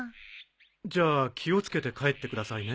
じゃあ気を付けて帰ってくださいね。